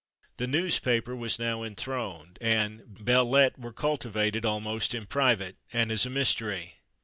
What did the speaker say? The newspaper was now enthroned, and /belles lettres/ were cultivated almost in private, and as a mystery.